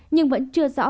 nhưng vẫn chưa rõ